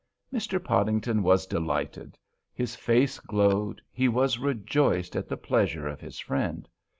Mr. Podington was delighted; his face glowed; he was rejoiced at the pleasure of his friend.